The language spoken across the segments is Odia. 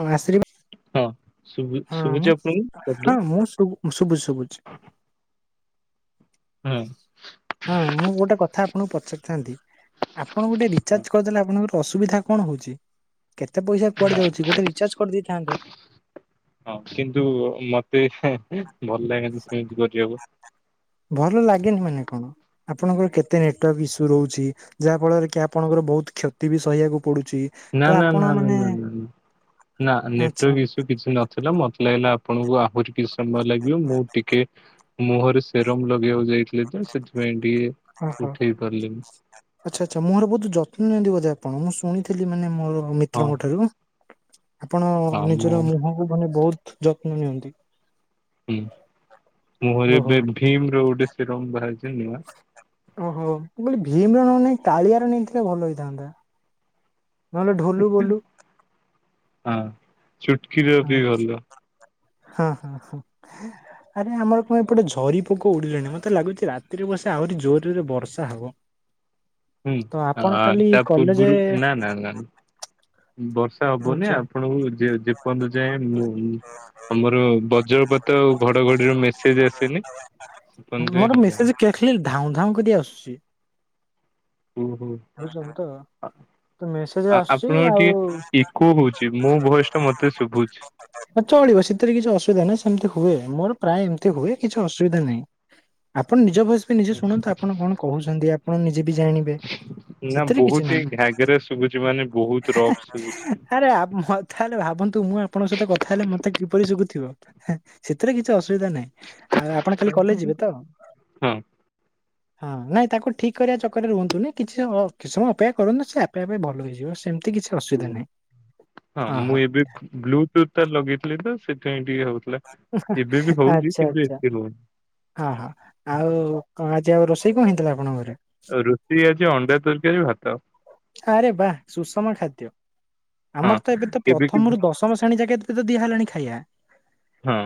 ହଁ ଆଶୀର୍ବା, ହଁ ଶୁଭୁ ହଁ ଶୁଭୁଚି ମୁଁ, ଆପଣଙ୍କୁ ଶବ୍ଦ? ହଁ ମୁଁ ଶୁବୁ, ଶୁବୁ ଶୁଭୁଛି। ହଁ। ହଁ ମୁଁ ଗୋଟେ କଥା ଆପଣଙ୍କୁ ପଚାରିଥାନ୍ତି, ଆପଣ ଗୋଟେ ହଁ ରିଚାର୍ଜ କରିଦେଲେ ଆପଣଙ୍କର। ଅସୁବିଧା କଣ ହଉଛି, କେତେ ପଇସା ନା କୁଆଡେ ଯାଉଛି ଗୋଟେ ରିଚାର୍ଜ କରିଦେଇଥାନ୍ତେ। ହଁ କିନ୍ତୁ ମୋତେ ହେଁ, ଭଲ ଲାଗେନି ସେମତି କରିବାକୁ ପା। ଭଲ ଲାଗେନି ମାନେ କଣ ଆପଣଙ୍କର କେତେ ନେଟୱାର୍କ ଇସୁ ରହୁଛି। ଯାହା ଫଳରେ କି ଆପଣଙ୍କର ବହୁତ କ୍ଷତି ବି ସହିବାକୁ ପଡୁଛି। ନା, ନା, ନା, ନା, ନା ଆଚ୍ଛା ନେଟୱାର୍କ ଇସୁ କିଛି ନ ଥିଲା ମୋତେ ଲାଗିଲା ଆପଣଙ୍କୁ ଆହୁରି କିଛି ସମୟ ଲାଗିବ ମୁଁ ଟିକେ ମୁହଁରେ ସେରମ୍ ଲଗେଇବାକୁ ଯାଇଥିଲି ତ ସେଥିପାଇଁ ଟିକେ ଓହୋ। ଉଠେଇ ପାରିଲିନି। ଆଚ୍ଛା, ଆଚ୍ଛା ମୁହଁର ବହୁତ ଯତ୍ନ ନିଅନ୍ତିି ବୋଧେ ଆପଣ? ମୁଁ ଶୁଣିଥିଲି ମାନେ ମୋର ହଁ ମିତ୍ରଙ୍କ ଠାରୁ। ଆପଣ ହଁ ମୁଁ ନିଜର ମୁହଁକୁ ମାନେ ବହୁତ ଯତ୍ନ ନିଅନ୍ତି। ହୁଁ, ମୁହଁରେ ଓହୋ। ଏବେ ଭୀମ୍ ର ଗୋଟେ ସିରମ୍ ବାହାରିଛି ନୂଆ। ଓହୋ, ମୁଁ କହିଲି ଭୀମ୍ ର ନ ନେଇ, କାଳିଆର ନେଇଥିଲେ ଭଲ ହେଇଥାନ୍ତା। ନହେଲେ ଢୋଲୁ ବୋଲୁ। ହଁ ଚୁଟକି ର ବି ଆଚ୍ଛା। ଭଲ। ହଁ, ହଁ, ହୁଁ, ଆରେ ଆମର କଣ ଏପଟେ ଝରି ପୋକ ଉଡିଲେଣି, ମୋତେ ଲାଗୁଛି ରାତିରେ ବସେ ଆହୁରି ଜୋରରେ ବର୍ଷା ହବ। ହୁଁ, ତ ଆ, ଆପଣ କାଲି ତା କଲେଜ ପୂର୍ବରୁ ନା, ନା, ନା ବର୍ଷା ହବନି, ଆଚ୍ଛା। ଆପଣଙ୍କୁ ଯେ ଯେପନ୍ତୁ ଯାଏଁ ନ ଆମର ବଜ୍ରପାତ ଆଉ ଘଡଘଡିର ମେସେଜ୍ ଆସିନି ସେ ପନ୍ ଯାଏଁ ହବନି। ଖାଲି ଧାଉଁ ଧାଉଁ କରି ଆସୁଚି। ଓହୋ, ବୁଝୁଛନ୍ତି ତ। ଆ, ତ ମେସେଜ ଆ, ଆସୁଛି ଆପଣଙ୍କ ଆଉ ଟିକେ ଇକୋ ହଉ ଚି, ମୋ ଭଏସ୍ ଟା ମୋତେ ଶୁଭୁଛି। ହଁ ଚଳିବ ସେଥିରେ କିଛି ଅସୁବିଧା ନାହିଁ, ସେମିତି ହୁଏ ମୋର ପ୍ରାୟ ଏମିତି ହୁଏ କିଛି ଅସୁବିଧା ନାହିଁ। ଆପଣ ନିଜ ଭଏସ୍ ବି ନିଜେ ଶୁଣନ୍ତୁ ଆପଣ କଣ କହୁଛନ୍ତି ଆପଣ ନିଜେ ବି ଜାଣିବେ। ନା ସେଥିରେ କିଛି ବହୁତ ହିଁ ନାହିଁ, ଘାଗେରା ଶୁଭୁଛି ମାନେ ବହୁତ ରଫ୍ ଶୁଭୁଛି। ଆରେ ଆ, ମୋ ଥାଲେ ଭାବନ୍ତୁ ମୁଁ ଆପଣଙ୍କ ସହିତ କଥା ହେଲେ ମୋତେ କିପରି ଶୁଗୁଥିବ? ହେଁ, ସେଥିରେ କିଛି ଅସୁବିଧା ନାହିଁ। ଆଉ ଆପଣ କାଲି କଲେଜ୍ ଯିବେ ତ? ହଁ ହଁ ନାଇଁ ତାକୁ ଠିକ୍ କରିବା ଚକରେ ରୁହନ୍ତୁନି, କିଛି ସମଅ କିଛି ସମୟ ଅପେକ୍ଷା କରନ୍ତୁ ନା ସେ ଆପେ ଆପେ ଭଲ ହେଇଯିବ। ସେମ ତି କିଛି ଅସୁବିଧା ନାହିଁ। ହଁ ମୁଁ ଓହୋ ଏବେ ବ୍ଲୁଟୁଥ୍ ତ ଲଗେଇଥିଲି ତ ସେଥିପାଇଁ ଟିକେ ହଉ ଥିଲା, ଏବେ ବି ହଉଚି ଆଚ୍ଛା କିନ୍ତୁ ଆଚ୍ଛା ଏତେ ନୁହଁ। ହଁ, ହଁ ଆଉ କଣ ଆଜି ଆଉ ରୋଷେଇ କଣ ହେଇଥିଲା ଆପଣଙ୍କ ଘରେ? ରୋଷେଇ ଆଜି ଅଣ୍ଡା ତରକାରୀ ଭାତ। ଆରେ ବାଃ ସୁଷମ ଖାଦ୍ୟ, ହଁ ଆମର ତ ଏବେ ତ କେବେ କେବେ ପ୍ରଥମରୁ ଦଶ ତମ ଶେଣୀ ଯାକେ ତ ଦିଆ ହେଲାଣି ଖାଇବା। ହଁ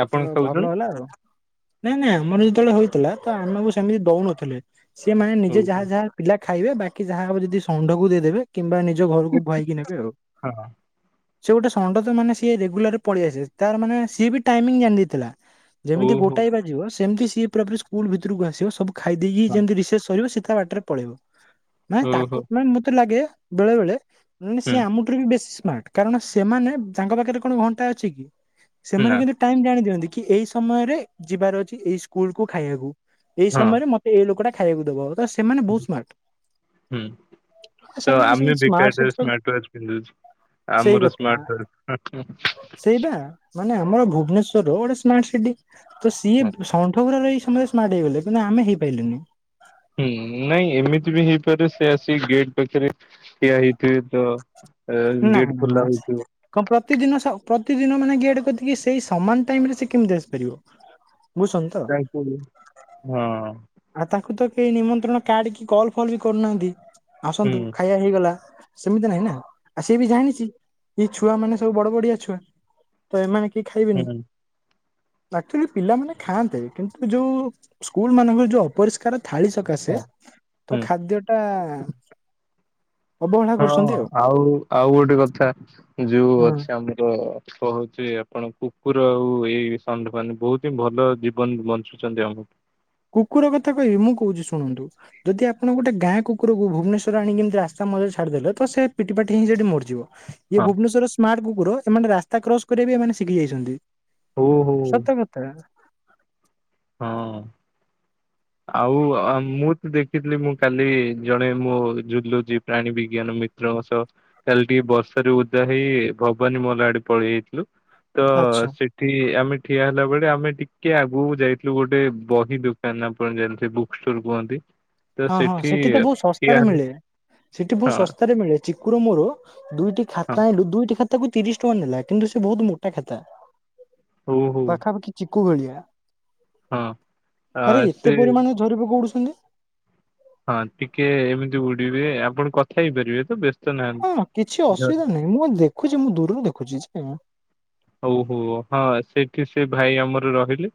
ଏ ଆପଣ ତ ଖାଉଛନ୍ତି? ଭଲ ହେଲା ଆଉ। ନାଇଁ ନା ଆମର ଯେତେବେଳେ ହୋଇଥିଲା ତ ଆମକୁ ସେମିତି ଦଉନଥିଲେ, ସିଏ ମାନେ ହଉ ନିଜେ ହଉ ଯାହା ଯାହା ପିଲା ଖାଇବେ, ବାକି ଯାହା ହଡ ଯଦି ଷଣ୍ଢକୁ ଦେଇଦେବେ, କିମ୍ବା ନିଜ ଘରକୁ ଭୁଆଇକି ନେବେ ଆଉ। ହଁ। ସେ ଗୋଟେ ଷଣ୍ଢ ତ ମାନେ ସିଏ ରେଗୁଲାର ପଳେଇ ଆସେ ତାର ମାନେ ସିଏ ବି ଟାଇମିଙ୍ଗ ଜାଣିଦେଇଥିଲା। ଯେମିତି ଓହୋ! ଗୋଟାଏ ବାଜିବ ସେମିତି ସିଏ ପୁରା ପୁରି ସ୍କୁଲ ଭିତରକୁ ଆସିବ ସବୁ ଖାଇ ଦେଇକି ହଁ, ଯେମତି ରିସେଷ କରିବ ସି ତା ବାଟରେ ପଳେଇବ ମାନେ ଓହୋ! ତାକୁ ମାନେ ମତେ ଲାଗେ ବେଳେ ବେଳେ ମାନେ ହୁଁ, ସିଏ ଆମଠାରୁ ବି ବେଶୀ ସ୍ମାର୍ଟ। କାରଣ ସେମାନେ ତାଙ୍କ ପାଖରେ କଣ ଘଣ୍ଟା ଅଛି କି ସେମାନେ ନା, କିନ୍ତୁ ଟାଇମ ଜାଣି ଦିଅନ୍ତି କି ଏଇ ସମୟରେ ଯିବାର ଅଛି ଏଇ ସ୍କୁଲ କୁ ଖାଇବାକୁ ଏଇ ହଁ, ସମୟରେ ମ ଏଇ ଲୋକଟା ଖାଇବାକୁ ଦବ ତ ସେମାନେ ବୋହୁତ ସ୍ମାର୍ଟ। ହୁଁ ତ ସେମାନେ ବି ଆମେ ସେମିତି ସ୍ମାର୍ଟ ବେକାର ସିଟି ଟାରେ ର ସ୍ମାର୍ଟୱାଚ ପିନ୍ଧୁଚୁ। ସେଇ କଥା ଆମରୁ ସ୍ମାର୍ଟୱାଚ ହୁଁ ସେଇବା ହୁଁ। ମାନେ ଆମର ଭୁବନେଶ୍ଵରର ଗୋଟେ ସ୍ମାର୍ଟ ସିଟି ତ ସିଏ ଷଣ୍ଢ ଗୁରାର ସେଇ ସମୟରେ ସ୍ମଟ ହେଇଗଲେ କିନ୍ତୁ ଆମେ ହେଇପାଇଲୁନି। ହୁଁ ନାଇଁ ଏମିତି ବି ହେଇପାରେ ସେ ଆସି ଗେଟ୍ ପାଖରେ ଠିଆ ହେଇ ଠିଆ ହେଇଥିବ ନା ଗେଟ୍ ନା ନା। ଖୋଲା ହେଇଥିବ। କଣ ପ୍ରତିଦିନ ସ ପ୍ରତିଦିନ ମାନେ ଗେଟ୍ କତିକି ସେଇ ସମାନ ଟାଇମ ରେ ସେ କେମିତି ଆସିପାରିବ? ମୁଁ ସୁନ୍ତ ହଁ। ଆଉ ତାଙ୍କୁ ତ କେହି ନିମନ୍ତ୍ରଣ କାର୍ଡ କି କଲ ଫଲ ବି କରୁନାହାନ୍ତି ଆସନ୍ତୁ ହୁଁ, ଖାଇବା ହେଇଗଲା ସେମିତି ନାହିଁ ନା ଆଉ ସିଏ ବି ଜାଣିଚି। ଏଇ ଛୁଆ ମାନେ ସବୁ ବଡ ବଡିଆ ଛୁଆ ତ ଏମାନେ କେହି ଖାଇବେନି। ହୁଁ, ଆକ୍ଚୁଲି ପିଲାମାନୋନେ ଖାଆନ୍ତେ କିନ୍ତୁ ଯୋଉ ସ୍କୁଲ ମାନଙ୍କରେ ଯୋଉ ଅପରିଷ୍କାର ଥାଳି ସକାଶେ ହଁ, ତ ହୁଁ, ଖାଦ୍ୟ ଟା ଅବହେଳା ହଁ କରୁଛନ୍ତି ଆଉ ଆଉ ଗୋଟେ କଥା ଯୋଉ ହୁଁ ଅଛି ଆମର କୋହୁଚି ଆପଣ କୁକୁର ଆଉ ଏଇ ଷଣ୍ଢମାନେ ବୋହୁତ ହିଁ ଭଲ ଜୀବନ ବଞ୍ଚୁଛନ୍ତି ଆମଠୁ। କୁକୁର କଥା କହିବି ମୁଁ କୋହୁଚି ଶୁଣନ୍ତୁ। ଯଦି ଆପଣ ଗୋଟ ଗା କୁକୁ ଭୁବନେଶ୍ୱର ଆଣିତିସ୍ତା ମରେ ଛାଡ଼ିଦ ଦେଲେ ତ ସେ ପିଟିପାଟି ହେଇକି ସେଠି ମରିଯିବ। ଇଏ ହଁ, ଭୁବନେଶ୍ଵର ସ୍ମାର୍ଟ କୁକୁର ଏମାନେ ରାସ୍ତା କ୍ରସ କରିବା ବି ଏମାନେ ଶିଖି ଯାଇଛନ୍ତି। ଓହୋ। ସତ କଥା। ହଁ ଆଉ ମୁଁ ତ ଦେଖ ଦେଖଥିଲି ମୁଁ କାଲି ଜଣେ ମୁଁ ଝୁଲୁଛି ପ୍ରାଣୀ ବିଜ୍ଞାନ ମିତ୍ରଙ୍କ ସହ। କାଲି ଟିକେ ବର୍ଷରେ ଓଦା ହେଇ ଭବାନୀ ମହଲ ଆଡେ ପଳେଇ ଯାଇଥିଲୁ। ତ ଆଚ୍ଛା ସେଠି ଆମେ ଠିଆ ହେଲା ବଳେ ଆମେ ଟିକେ ଆଗକୁ ଯାଇ ଲୁ ଗୋଟେ ବହି ଦୋକାନ ଆପଣ ଜାଣିଥିବେ ବୁକ୍ ଷ୍ଟୋର କୁହନ୍ତି। ତ ହଁ ହଁ ସେଠି ତ ବହୁତ ଶସ୍ତାରେ ଠିଆ ହେଲୁ। ମିଳେ ସେଠି ବୋହୁତ ହଁ ଶସ୍ତାରେ ମିଳେ। ଚିକୁର ମୋର ଦୁଇଟି ହଁ ଖାତା ଆଣିଲୁ। ଦୁଇଟି ଖାତାକୁ ତିରିଶ ଟଙ୍କା ନେଲା କିନ୍ତୁ ସେ ବୋହୁତ ମୋଟା ଖାତା। ହଉ ହଉ ପାଖାପାଖି ଚିକୁ ଭଳିଆ। ହଁ ଆ ଆରେ ସେ ଏତେ ପରିମାଣ ଝରିପୋକ ଉଡୁଛନ୍ତି। ହଁ ଟିକେ ଏମିତି ଉଡିବେ ଆପଣ କଥା ହେଇପାରିବେ ତ ବେସ୍ତ ହଁ କିଛି ଅସୁବିଧା ନାହିଁ ମୁଁ ଦେଖୁଚି ମୁଁ ଦୂରରୁ ଦେଖୁଚି କିଛି ନାହିଁ। ଓହୋ ହଁ ସେଇଠି ସେ ଭାଇ ଆମର ରହିଲେ।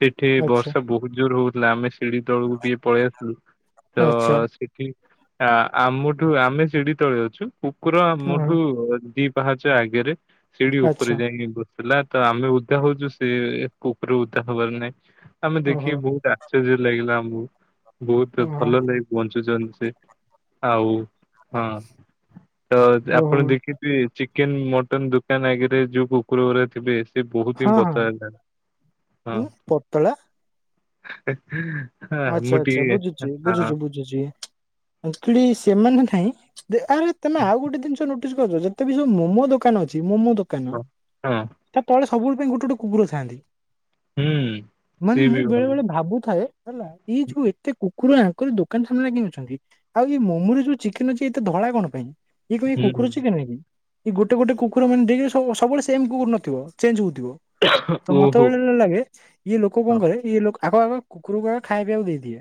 ସେଠି ଆଚ୍ଛା ବର୍ଷା ବୋହୁତ ଜୋରେ ହୋ ଉଥିଲା ଆମେ ସିଢି ତଳକୁ ବି ପଳେଇ ଆସିଲୁ ତ ଆଚ୍ଛା ଆ-ଆମଠୁ ଆମେ ସିଡି ତଳେ ଅଛୁ କୁକୁର ହଁ ଆମଠୁ ଦିଇ ପାହାଚ ଆଗେରେ ସିଢି ଆଚ୍ଛା ଉପରେ ଆସିକି ବସିଲା ତ ଆମେ ଉଦା ହଉଚୁ ସେ କୁକୁର ଉଦା ହବାର ନାଇଁ। ଆମେ ଓହୋ ଦେଖିକି ବହୁତ ଆଶ୍ଚର୍ଯ୍ୟ ଲାଗିଲା ଆମକୁ ବହୁତ ଓହୋ ଭଲ ଲା ବଞ୍ଚୁଛନ୍ତି ସେ ଆଉ ହଁ ତ ଆପଣ ଓହୋ ଦେଖି ଚିକେନ ମଟନ ଦୋକାନ ଆଗରେ ଯୋଉ କୁକୁର ଗୁରା ଥିବେ। ସେ ବହୁତ ହିଁ ହଁ ହଁ ବର୍ଷା ହେଇଥାଏ ହଁ। ଉଁ ପତଳା ହଁ ମୁଟିିକେ ହଁ। ବୁଝୁଚି ସେମାନେ ନାଇଁ ଆରେ ତମେ ଆଉ ଗୋଟେ ଜିନିଷ ନୋଟ ନୋଟିସ୍ କରୁଚ ଯେତେ ବି ସବୁ ମୋମୋ ଦୋକାନ ଅଛି ମୋମୋ ଦୋକାନ। ହଁ ତା ତଳେ ସବୁବେଳେ ପାଇଁ ଗୋଟେ ଗୋଟେ କୁକୁର ଥାଆନ୍ତି। ହୁଁ ମାନେ ସିଏ ମୁଁ ବି ବେଳେ ଭଲ ବେଳେ ଭାବୁଥାଏ। ହେଲା ଏଇ ଯୋଉ ଏତେ କୁ କୁକୁର ଆଙ୍କରି ଦୋକାନ ସାମ୍ନରେ କାଇଁ ଅଛନ୍ତି? ଆଉ ଏଇ ମୋମରେ ଯୋଉ ଚିକେନ୍ ଅଛି ଏତ ଧଳା କଣ ପାଇଁ? ଇଏ କ ଏଇ କୁକୁର ହୁଁ ଚିକେନ୍ କି? ଇଏ ଗୋଟେ ଗୋଟେ କୁକୁର ମାନେ ଦେକ୍ ସବୁ ସବୁବେଳେ ସେମ କୁକୁର ନଥିବ ଚେଞ୍ଜ ହଉଥିବ। ତ ମତେ ଓହୋ ବେଳେ ବେଳେ ଲାଗେ ଇଏ ଲୋକ କଣ ହଁ କରେ ଇଏ ଲୋକ ଆଗ ଆଗ। କୁକୁର କୁ ଆଗ ଖାଇପିବାକୁ ଦେଇଦିଏ।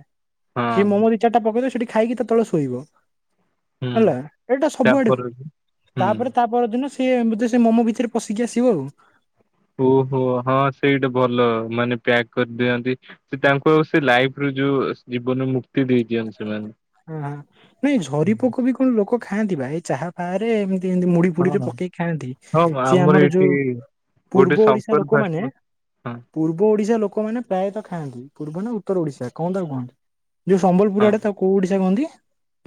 ସେ ହଁ ମୋମୋ ଦିଇ ଚାରିଟା ପକେଇଦେଇକି ସେଠି ଖାଇକି ତା ତଳେ ଶୋଇବ। ହୁଁ ହେଲା ଏଇଟା ସବୁଆଡେ ତାପରେ ହୁଏ ହୁଁ ତାପରେ ତା ପରଦିନ ସେ ବୋଧେ ସେ ମୋମୋ ଭିତରେ ପଶିକି ଆସିବ ଆଉ। ଓହୋ ହଁ ସେଇଟା ଭଲ ମାନେ ପ୍ୟାକ୍ କରିଦିଅନ୍ତି। ସେ ତାଙ୍କୁ ଆଉ ସେ ଲାଇଫ ରୁ ଯୋଉ ଜୀବନ ମୁ ହ ନାଇଁ ହୁଁ। ଝରିପୋକ ବି କଣ ଲୋକ ଖାଆନ୍ତି ବା ଏଇ ଚାହା ଫହାରେ ଏମତି ତି ମୁଡି ଫୁଡିରେ ହଁ ପକେଇକି ଖାଆନ୍ତି ହଁ ସିଏ ଆମର ଏଠି ଯୋଉ ଗୋଟେ ପୂର୍ବ ଓଡିଶା ଶଙ୍କର ଲୋକମାନେ ଫାଷ୍ଟଫୁଡ ହଁ ପୂର୍ବ ଓଡିଶା ଲୋକମାନେ ପ୍ରାୟତଃ ଖାଆନ୍ତି ପୂର୍ବ ନା ଉତ୍ତର ଓଡିଶା କଣ ତାକୁ କୁହନ୍ତି ଯୋଉ ସମ୍ବଲ ପୁର ହଁ ଆଡେ ତାକୁ କୋଉ ଓଡିଶା କୁହନ୍ତି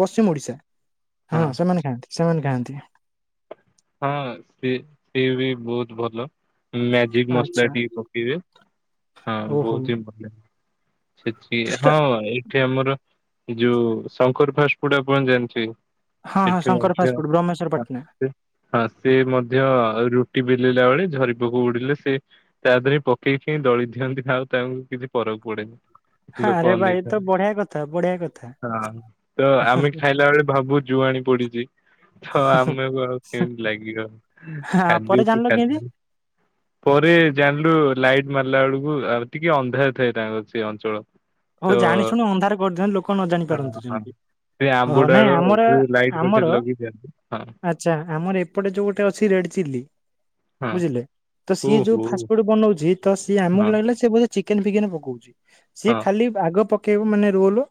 ପଶ୍ଚିମ ଓଡିଶା ହଁ ସେମାନେ ଖାଆନ୍ତି ସେମାନେ ଖାଆନ୍ତି। ହଁ ସେ ସିଏ ବି ବହୁତ ଭଲ। ମ୍ୟାଜିକ ମସଲା ଆଚ୍ଛା ଟି ପକେଇବେ ହଁ ବହୁତ ହି ଭଲ ସେଠ ହଁ ଏଠି ଆମର ଯୋଉ ଶଙ୍କର ଫାଷ୍ଟଫୁଡ ଆପଣ ଜାଣିଥିବେ ହଁ ହଁ ସେଠି ଶଙ୍କର ମଧ୍ୟ ହଁ ଫାଷ୍ଟଫୁଡ ବ୍ରହ୍ମେଶ୍ୱରପାଟଣା। ସେ ହଁ ସେ ମଧ୍ୟ ରୁଟି ବେଲିଲା ବେଳେ ଝରିପୋକ ଉଡିଲେ ସେ ତା ଦେହରେ ପକେଇକି ଦଳି ଦିଅନ୍ତି ଆଉ ତାଙ୍କୁ କିଛି ଫରକ ପଡେନି। ହଁ ଲୋକ ଆରେ ଭାଇ ତ ବଢିଆ କଥା ବଢିଆ କଥା ଅନେଇଥାନ୍ତି ହଁ ତ ଆମେ ଖାଇଲା ବେଳେ ଭାବୁ ଜୁଆଣି ପଡିଚି ତ ଆମକୁ ଆଉ କେମିତି ଲାଗିବ ହଁ ପରେ ଖାଦ୍ୟ କି ଜାଣିଲ ଖା କେମିତି? ପରେ ଜାଣିଲୁ ଲାଇଟ୍ ମାରିଲା ବେଳକୁ ଆଉ ଟିକେ ଅନ୍ଧାର ଥାଏ ତାଙ୍କର ସେ ଅଞ୍ଚଳ। ତ ହଉ ଜାଣି ଶୁଣୁ ଅନ୍ଧାର କରିଦିଅନ୍ତି ଲୋକ ନ ଜାଣି ହଁ ପାରନ୍ତୁ ହଁ ଯେମତି ସେ ଆମ୍ବୁଡାଳ ଯୋଉ ଲାଇଟ୍ ପାଖରେ ଲଗେଇ ଦିଅନ୍ତି ହଁ। ଆଚ୍ଛା ଆମର ଏପଟେ ଯୋଉ ଗୋଟେ ଅଛି ରେଡ୍ ଚିଲୀ। ହଁ ବୁଝିଲେ ତ ସିଏ ଯୋଉ ଫାଷ୍ଟ ଫୁଡ ବନଉଛି ତ ସିଏ ହଁ, ଆମକୁ ଲାଗିଲା ସି ବୋଧ ଚିକେନ ଫିକେନ ପକଉଛି ସିଏ ହଁ, ଖାଲି ଆଗ ପକେଇବ ମାନେ ରୋଲ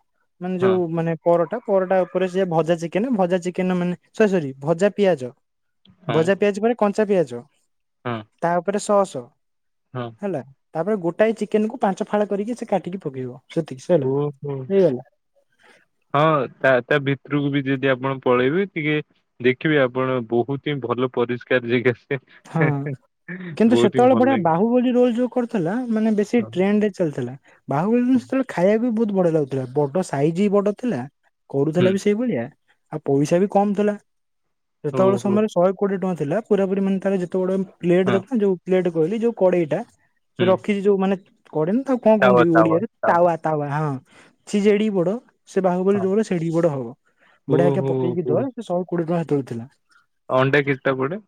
ମାନେ ହଁ, ଯୋଉ ମାନେ ପରଟା ପରଟା ଉପରେ ସେି ଭଜା ଚିକେନ ଭଜା ଚିକେନ ମାନେ ସରି ସରି ଭଜା ପିଆଜ। ହଁ, ଭଜା ପିଆଜ ମାନେ କଞ୍ଚା ପିଆଜ ହଁ, ତା ଉପରେ ଶହସ। ହଁ। ହେଲା ତାପରେ ଗୋଟାଏ ଚିକେନକୁୁ ପାଞ୍ଚ ଫାଳ କରିକି ସେ କାଟିକି ପକେଇବ ହେଲା ଓ ହୋ। ହଁ ତା ତା ଭିତରକୁ ବି ଯଦି ଆପଣ ପଳେଇବେ ଟିକେ ଦେଖିବେ ଆପଣ ବହୁତ ଭଲ ପରିଷ୍କାର ଜାଗା। ହେଁ ହଁ ହେଁ। କିନ୍ତୁ ସେତେବେଳେ ବଢିଆ ବାହୁ ବୋଲି ରୋଲ ଯୋଉ କରିଥିଲା ମାନେ ବେଶୀ ହଁ, ଟ୍ରେଣ୍ଡ ରେ ଚାଲିଥିଲା ବାହୁବଳି ଦିନ ସେତେବେଳେ ଖାଇବା ବି ବହୁତ ବଢିଆ ଲାଗୁଥିଲା ବଡ଼ ସାଇଜ୍ ବି ବଡ଼ ଥିଲା କରୁଥିଲା ହୁଁ, ବି ସେଇଭଳିଆ। ଆଉ ପଇସା ବି କମ ଥିଲା ଯେତେବେଳେ ଓହୋ! ସମୟରେ ଶହେ କୋଡିଏ ଟଙ୍କା ଥିଲା ପୁରାପୁରି ମାନେ ତାର ଯେ ଥୋ ବଡମ ପ୍ଲେଟ ହଁ, ଦେଖ ନା ଯୋଉ ପ୍ଲେଟ କହିଲି ଯୋଉ କଡେଇଟା ଯୋଉ ହୁଁ, ରଖିଛି ଯୋଉ ମାନେ କଡେଇ ନା ତାକୁ କଣ କୁହନ୍ତି ତାୱା କି ତାୱା ଓଡିଆରେ ହଁ, ତାୱା ତାୱା ହଁ ସେ ଜେଡିକି ବଡ ସେ ବାହୁବଳୀ ରୋଲ୍ ସେଡିକି ବଡ ହବ ବଢିଆ ଆଜ୍ଞା ଓହୋ! ପକେଇକି ଦେ ଓହୋ! ଶହେ କୋଡିଏ ଟଙ୍କା ହେତେବେଳେ ଥିଲା। ଅଣ୍ଡା କିଟ୍ କୁଆଡ଼େ?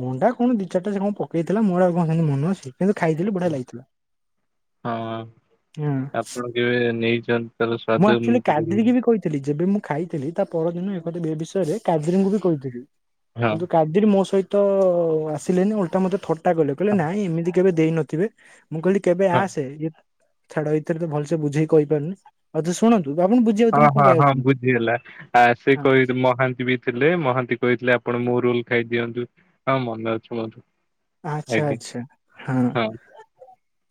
ଅଣ୍ଡା କଣ ଦି ଚାରଟା ସେ କଣ ପକେଇଥିଲା ମୋର ଆଉ କଣ ସେମିତ୍ ମନ କିନ୍ତୁ ଖାଇଥିଲି ଓହୋ। ବଢିଆ ଲାଗିଥିଲା। ହଁ। ହଁ। ଆପଣ କେବେ ନେଇଛନ୍ତି ତା ହେଲେ ସ୍ଵାଦ ଆକ୍ଚୁଆଲି ମୁଁ କେବେ ରୁ, କାଦ୍ରିକି ବି କହିଥିଲି ଯେବେ ମୁଁ ଖାଇଥିଲି ତା ପରଦିନୁ ଏକଥା ଏ ବିଷୟରେ କାଦିରୁଙ୍କୁ ବି କହିଥିଲି ହଁ, କିନ୍ତୁ କାଦିର ମୋ ସହି ତ ଆସିଲେନି ଓଲଟା ମତେ ଥଟା କଲେ କହିଲେ ନାଇଁ ଏମିତି କେବେ ଦେଇନଥିବେ। ମୁଁ କହିଲି କେବେ ହଁ। ଆସେ ଏ ଛାଡ ଏଥିରେ ତ ଭଲସେ ବୁଝେଇି କହିପାରୁନି ଆଉ ତେ ଶୁଣନ୍ତୁ ଆପଣ ବୁଝି ହଁ ହଁ ହଁ ବୁଝିଗଲା ଆ ସେ ହଁ, କହି ମହାନ୍ତି ବି ଥିଲେ ମହାନ୍ତି କହିଥିଲେ ଆପଣ ମୋ ରୋଲ ଖାଇଦିଅନ୍ତୁ ହଁ ମନେ ଅଛୁ ମୋର। ଆଛା ଆଜ୍ଞା ଆଛା ହଁ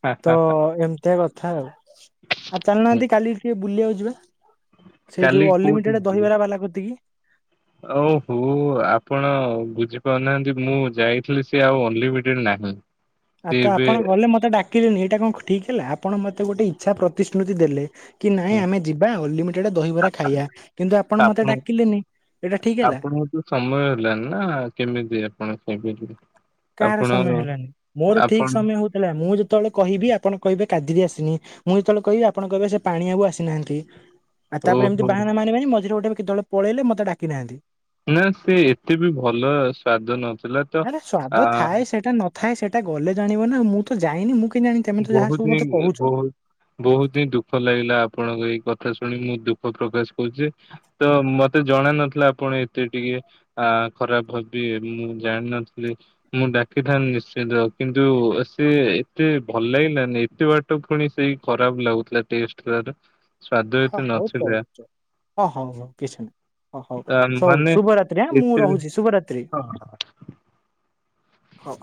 ହା ହା ତ ଏମ୍ ଏମିତିଆ କଥା ଆଉ ଆଉ ହୁଁ ଚାଲିନାହାନ୍ତି କାଲି ଟିକେ ବୁଲିବାକୁ ଯିବା। ସେଇ କାଲି ଯୋଉ ଅନଲିମିଟଡ ଦହିବ ବାଲା କତି କି। ଓ ହୋ ଆପଣ ବୁଝିପାରୁନାହାନ୍ତି ମୁଁ ଯାଇଥିଲି ସେ ଆଉ ଅନଲିମିଟେଡ ନାହିଁ। ଆଉ ସେ ତ ଏବେ ଆପଣ ଗଲେ ମତେ ଡାକିଲେନି ଏଇଟା କଣ ଠିକ ହେଲା ଆପଣ ମତେ ଗୋଟେ ଇଚ୍ଛା ପ୍ରତିଶ୍ରୁତି ଦେଲେ। କି ନାଇଁ ହଁ ଆମେ ଯିବା ଅନଲିମିଟେଡ ଦହିବରା ଖାଇବା କିନ୍ତୁ ଆପଣ ମତେ ଡାକିଲେନି ଏଇଟା ଠିକ ହେଲା? ଆପଣଙ୍କୁ ତ ସମୟ ହେଲାଣି ନା କେମିତି ଆପଣ ସେବେଠୁ କାହାର ସମୟ ହେଲାନି ମୋର ଆପଣ ଠିକ ସମୟ ହଉଥିଲା ମୁଁ ଯେତେବେଳେ କହିବି ଆପଣ କହିବେ କଦୀରି ଆସିନି। ମୁଁ ଯେତେବେଳେ କହିବି ଆପଣ କହିବେ ସେ ପାଣି ବାବୁ ଆସିନାହାନ୍ତି। ଆ ତାପରେ ଏମୀତୀ ଓହୋ ବାହନା ମାରି ମାରି ମଝିରେ ଗୋଟେ କେତେବେଳେ ପଳେଇଲେ ମତେ ଡକି ନାହାନ୍ତି। ନା ସେ ଏତେ ବି ଭଲ ସ୍ଵାଦ ନଥିଲା। ତ ଆରେ ସ୍ଵାଦ ଆ ଥାଏ ସେଇଟା ନଥାଏ ସେଇଟା ଗଲେ ଜାଣିବ ନା ମୁଁ ତ ଯାଇନି ମୁଁ କେମିତି ଜାଣିବି ତମେ ତ ବହୁତ ଯାହା ମତେ ହିଁ କହୁଛ। ବହୁତ ବହୁତ ହିଁ ଦୁଃଖ ଲାଗିଲା ଆପଣଙ୍କ ଏଇ କଥା ଶୁଣି ମୁଁ ଦୁଃଖ ପ୍ରକାଶ କୁଛି ତ ମତେ ଜଣା ନଥିଲା ଆପଣ ଏତେ ଟିକେ ଆ ଖରାପ ଭାବିବେ ମୁଁ ଜାଣିନଥିଲି। ମୁଁ ଡାକିଥାନ୍ତି ନିଶ୍ଚିତ କିନ୍ତୁ ସେ ଏତେ ଭଲ ଲାଗିଲାନି ଏତେ ବାଟ ପୁଣି ସେଇ ଖରାପ ଲାଗୁଥିଲା ଟେଷ୍ଟ ତାର। ସ୍ଵାଦ ଏତେ ହଉ ଚଳୁ ନଥିଲେ। ଚଳୁ। ହଁ ହଁ କିଛି ନାହିଁ। ଓ ହଉ ସଉ ମାନେ ଶୁଭରାତ୍ରି ଆ ମୁଁ ଏତେ ରହୁଛି ଶୁଭରାତି। ହଁ ହଉ।